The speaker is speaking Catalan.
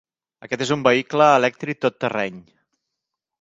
Aquest és un vehicle elèctric tot terreny.